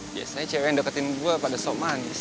biasanya cewek yang deketin gua pada sok manis